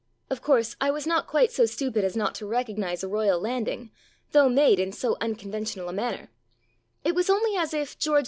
Of course, I was not quite so stupid as not to recognize a royal land ing, though made in so unconventional a manner; it was only as if George IV.